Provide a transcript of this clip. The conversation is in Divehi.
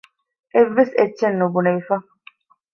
އެއްވެސް އެއްޗެއް ނުބުނެވިފަ